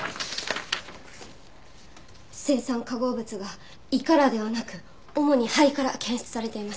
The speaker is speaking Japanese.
青酸化合物が胃からではなく主に肺から検出されています。